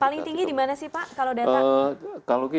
paling tinggi di mana sih pak kalau data